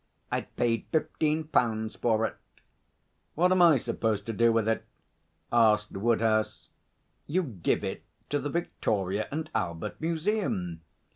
I paid fifteen pounds for it.' 'What am I supposed to do with it?' asked Woodhouse. 'You give it to the Victoria and Albert Museum.